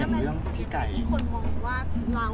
แม็กซ์ก็คือหนักที่สุดในชีวิตเลยจริง